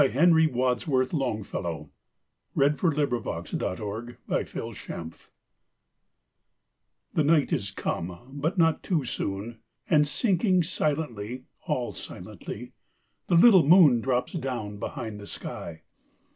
Henry Wadsworth Longfellow 774. The Light of Stars THE NIGHT is come, but not too soon; And sinking silently, All silently, the little moonDrops down behind the sky.